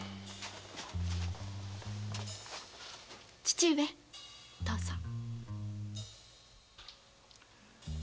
父上どうぞ。